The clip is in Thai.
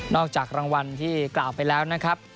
จากรางวัลที่กล่าวไปแล้วนะครับ